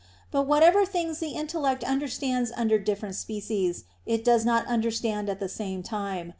But whatever things the intellect understands under different species, it does not understand at the same time.